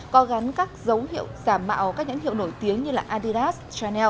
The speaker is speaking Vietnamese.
có gắn các dấu hiệu giả mạo các nhãn hiệu nổi tiếng như adidas chanel